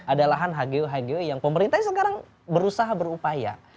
ada lahan hgu hgu yang pemerintahnya sekarang berusaha berupaya